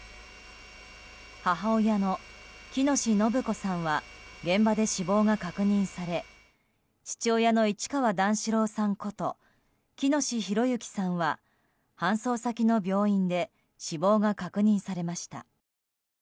母親の喜熨斗延子さんは現場で死亡が確認され父親の市川段四郎さんこと喜熨斗弘之さんは搬送先の病院で死亡が確認されました。